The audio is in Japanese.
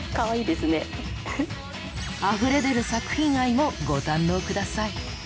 あふれ出る作品愛もご堪能下さい。